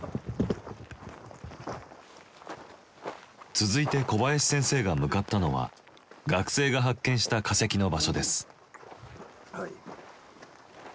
続いて小林先生が向かったのは学生が発見した化石の場所です。